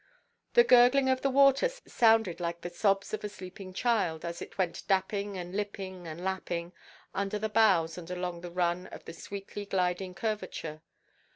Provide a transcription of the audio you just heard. The gurgling of the water sounded like the sobs of a sleeping child, as it went dapping and lipping and lapping, under the bows and along the run of the sweetly–gliding curvature.